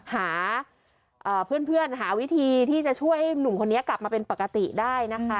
หาเพื่อนหาวิธีที่จะช่วยหนุ่มคนนี้กลับมาเป็นปกติได้นะคะ